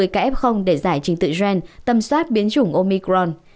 một mươi kf để giải trình tự gen tâm soát biến chủng omicron